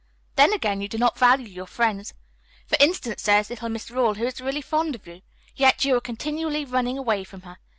Then, again, you do not value your friends. For instance, there is little Miss Rawle who is really fond of you. Yet you are continually running away from her.